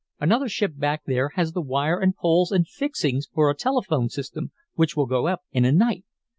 Another ship back there has the wire and poles and fixings for a telephone system, which will go up in a night.